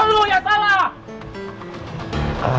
lu yang salah